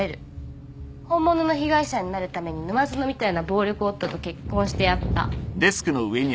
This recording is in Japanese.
本物の被害者になるために沼園みたいな暴力夫と結婚してやった。